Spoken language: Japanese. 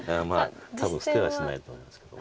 多分捨てはしないと思いますけど。